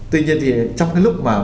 tuy nhiên thì trong cái lúc mà